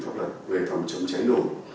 pháp luật về phòng chống cháy nổ